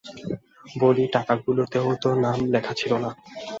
বলি টাকাগুলোতেও তো নাম লেখা ছিল না।